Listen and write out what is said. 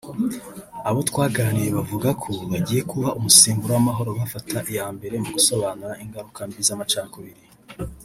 Abo twaganiriye bavuga ko bagiye kuba umusemburo w’amahoro bafata iyambere mu gusobanura ingaruka mbi z’amacakubiri